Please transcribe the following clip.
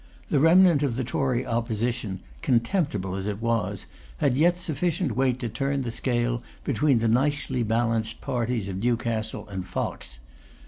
The remnant of the Tory Opposition, contemptible as it was, had yet sufficient weight to turn the scale between the nicely balanced parties of Newcastle and Fox.